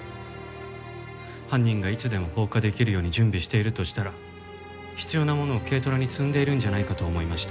犯人がいつでも放火できるように準備しているとしたら必要なものを軽トラに積んでいるんじゃないかと思いました。